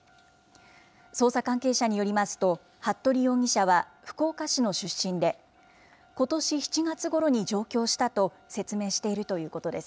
捜査関係者によりますと、服部容疑者は福岡市の出身で、ことし７月ごろに上京したと説明しているということです。